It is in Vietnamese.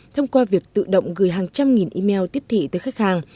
thông qua việc tự động gửi hàng trăm nghìn email tiếp thị tới khách hàng